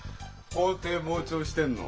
法廷傍聴してんの。